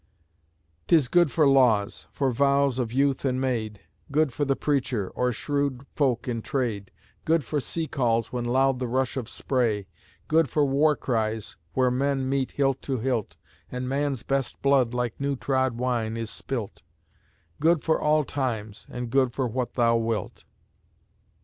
'Tis good for laws; for vows of youth and maid; Good for the preacher; or shrewd folk in trade; Good for sea calls when loud the rush of spray; Good for war cries where men meet hilt to hilt, And man's best blood like new trod wine is spilt, Good for all times, and good for what thou wilt!